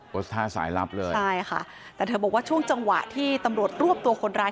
ท่าสายลับเลยใช่ค่ะแต่เธอบอกว่าช่วงจังหวะที่ตำรวจรวบตัวคนร้าย